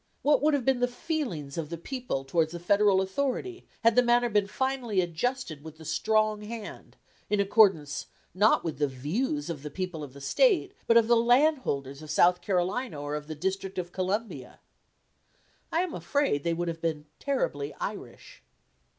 What would have been the feelings of the people towards the Federal authority had the matter been finally adjusted with the strong hand, in accordance, not with the views of the people of the State, but of the landholders of South Carolina or of the district of Columbia? I am afraid they would have been terribly Irish.